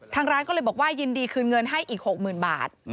ทางร้านก็เลยบอกว่ายินดีคืนเงินให้อีก๖๐๐๐บาท